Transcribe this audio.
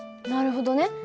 なるほどね。